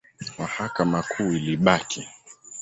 Mahakama Kuu ilibaki.